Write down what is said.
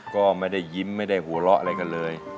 ก็ไม่ได้ยิ้มไม่ได้หัวเราะอะไรกันเลย